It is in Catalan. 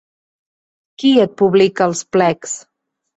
Qui et publica els plecs?